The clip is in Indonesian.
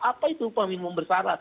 apa itu upah minimum bersarat